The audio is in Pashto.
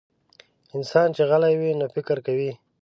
انسان چې غلی وي، نو فکر کوي.